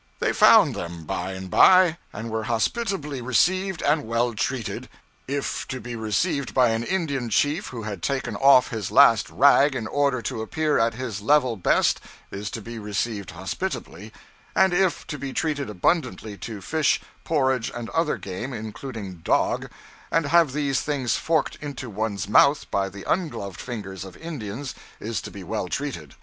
They found them, by and by, and were hospitably received and well treated if to be received by an Indian chief who has taken off his last rag in order to appear at his level best is to be received hospitably; and if to be treated abundantly to fish, porridge, and other game, including dog, and have these things forked into one's mouth by the ungloved fingers of Indians is to be well treated.